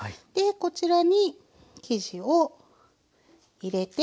こちらに生地を入れて。